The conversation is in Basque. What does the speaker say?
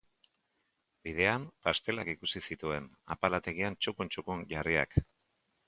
Bidean, pastelak ikusi zituen, apalategian txukun-txukun jarriak.